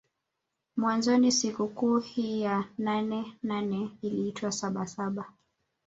Mwanzoni sikukuu hii ya nane nane iliitwa saba saba